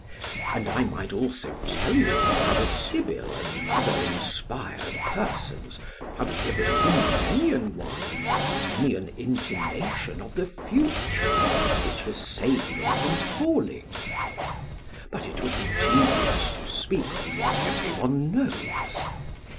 And I might also tell you how the Sibyl and other inspired persons have given to many an one many an intimation of the future which has saved them from falling. But it would be tedious to speak of what every one knows.